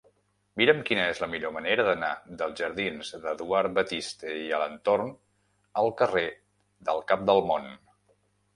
Mira'm quina és la millor manera d'anar dels jardins d'Eduard Batiste i Alentorn al carrer del Cap del Món.